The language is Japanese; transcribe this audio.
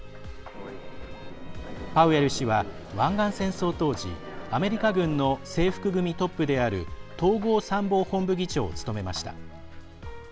パウエル氏は湾岸戦争当時アメリカ軍の制服組トップである統合参謀本部議長を務めました。